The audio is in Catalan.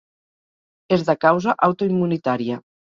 És de causa autoimmunitària.